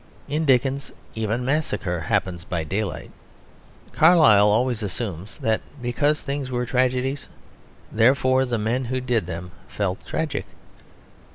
In Dickens even massacre happens by daylight. Carlyle always assumes that because things were tragedies therefore the men who did them felt tragic.